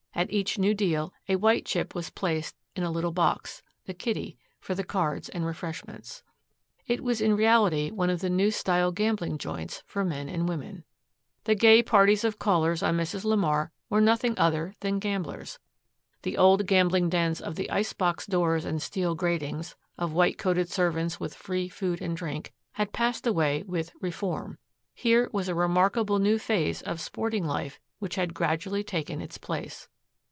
At each new deal a white chip was placed in a little box the kitty for the "cards and refreshments." It was in reality one of the new style gambling joints for men and women. The gay parties of callers on Mrs. LeMar were nothing other than gamblers. The old gambling dens of the icebox doors and steel gratings, of white coated servants and free food and drink, had passed away with "reform." Here was a remarkable new phase of sporting life which had gradually taken its place.